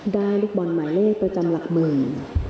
ลูกบอลหมายเลขประจำหลักหมื่น